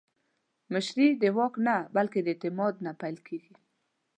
مشري د واک نه، بلکې د اعتماد نه پیلېږي